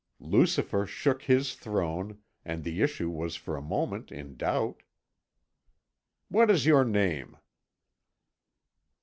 "Lucifer shook His throne, and the issue was for a moment in doubt." "What is your name?"